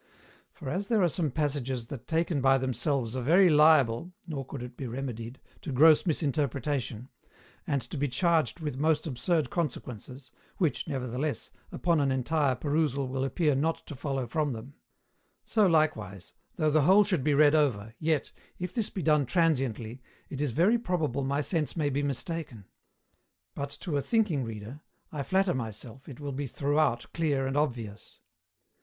For, as there are some passages that, taken by themselves, are very liable (nor could it be remedied) to gross misinterpretation, and to be charged with most absurd consequences, which, nevertheless, upon an entire perusal will appear not to follow from them; so likewise, though the whole should be read over, yet, if this be done transiently, it is very probable my sense may be mistaken; but to a thinking reader, I flatter myself it will be throughout clear and obvious.